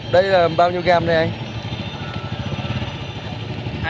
đây là bao nhiêu gram này anh